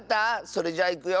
それじゃいくよ。